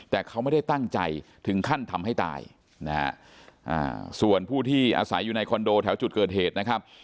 แต่เขาไม่ได้ตั้งใจถึงขั้นทำให้ตายนะฮะส่วนผู้ที่อาศัยอยู่ในคอนโดแถวจุดเกิดเหตุนะครับ